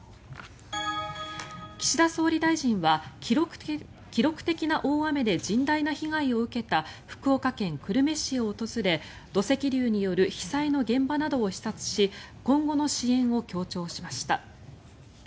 岸田総理大臣は、記録的な大雨で甚大な被害を受けた福岡県久留米市を訪れ土石流による被災の現場などを視察し今後の支援を強調しました。